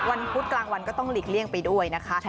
พุธกลางวันก็ต้องหลีกเลี่ยงไปด้วยนะคะ